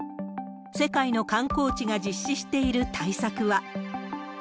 世界の観光地が実施している対策は。